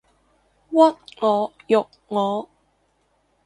屈我辱我